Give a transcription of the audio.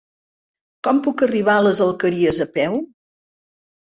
Com puc arribar a les Alqueries a peu?